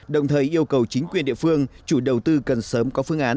đồng thời yêu cầu chính quyền địa phương chủ đầu tư cần sớm có phương án